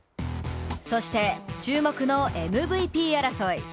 そして、注目のＭＶＰ争い。